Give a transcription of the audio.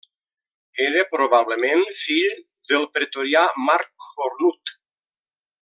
Era probablement fill del pretorià Marc Cornut.